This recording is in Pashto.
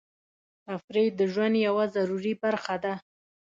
تفریح د ژوند یوه ضروري برخه ده.